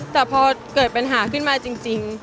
แต่พอเกิดปัญหาขึ้นมาจริง